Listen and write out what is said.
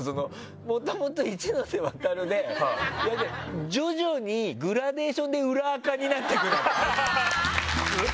もともと一ノ瀬ワタルで徐々にグラデーションで裏アカになっていく。